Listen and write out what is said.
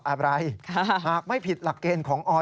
ยอมรับว่าการตรวจสอบเพียงเลขอยไม่สามารถทราบได้ว่าเป็นผลิตภัณฑ์ปลอม